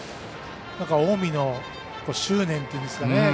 近江の執念というんですかね。